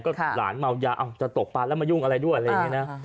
ก็หลานเมายาจะตกปลาแล้วมายุ่งอะไรด้วยอะไรอย่างนี้นะ